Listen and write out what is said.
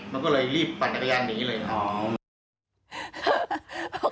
มันก็เลยรีบปั่นจักรยานหนีเลยครับ